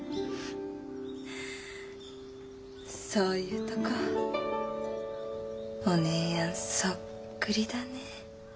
そういうとこお姉やんそっくりだね。